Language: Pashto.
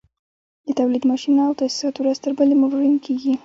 د تولید ماشینونه او تاسیسات ورځ تر بلې مډرن کېږي